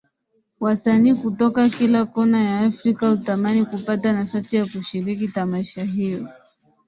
Wasanii kutoka kila Kona ya africa hutamani kupata nafasi ya kushiriki Tamasha hio